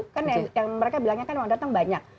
kan yang mereka bilangnya kan uang datang banyak